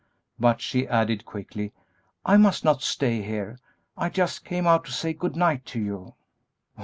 But," she added, quickly, "I must not stay here. I just came out to say good night to you."